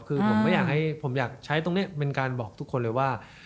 คือผมอยากใช้ตรงนี้เป็นการบอกทุกคนเลยว่า